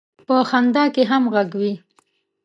په خندا کې هم غږ وي.